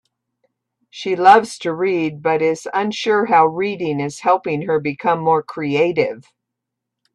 She loves to read, but is unsure how reading is helping her become more creative.